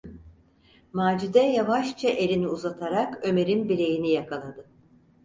Macide yavaşça elini uzatarak Ömer’in bileğini yakaladı.